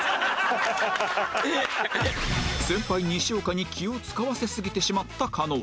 先輩にしおかに気を使わせすぎてしまった加納